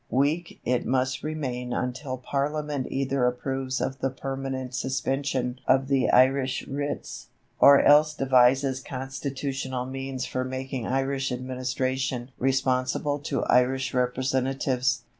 Weak it must remain until Parliament either approves of the permanent suspension of the Irish writs, or else devises constitutional means for making Irish administration responsible to Irish representatives.